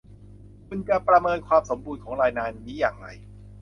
คุณจะประเมินความสมบูรณ์ของรายงานนี้อย่างไร